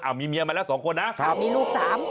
มีเมียมาแล้วสองคนนะครับมีลูกสาม